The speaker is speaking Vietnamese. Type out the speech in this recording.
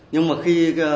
nhưng mà khi